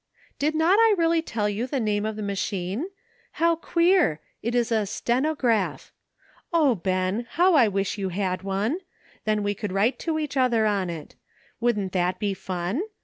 '^Did not I really tell you the name of the LEARNING. 255 machine? How queer! it is a 'stenograph.* O, Ben! how I wish you had one. Then we could write to each other on it ; wouldn't that be fun?